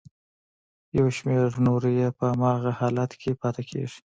یو شمېر نورې یې په هماغه حالت کې پاتې کیږي.